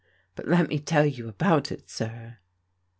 But let me tell you about it, sir."